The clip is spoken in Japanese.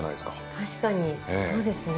確かにそうですね。